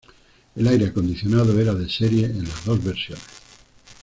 El aire acondicionado era de serie en las dos versiones.